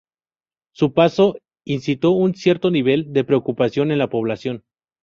Su paso incitó un cierto nivel de preocupación en la población.